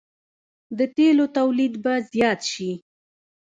د تیلو تولید به زیات شي.